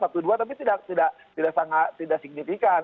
satu dua tapi tidak signifikan